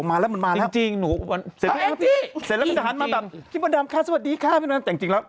มาแล้วมันมาแล้วเสร็จแผลกจากมันแบบจริง